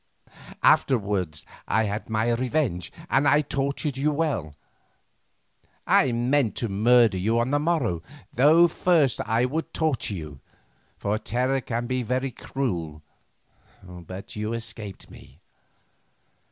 Afterwards I had my revenge and I tortured you well; I meant to murder you on the morrow, though first I would torture you, for terror can be very cruel, but you escaped me.